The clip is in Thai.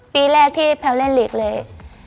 ปีแรกที่แพลวเล่นหลีกเลย